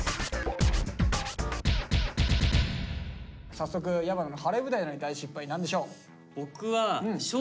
早速矢花の「晴れ舞台なのに大失敗」何でしょう？